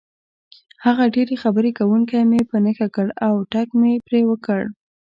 هغه ډېر خبرې کوونکی مې په نښه کړ او ټک مې پرې وکړ.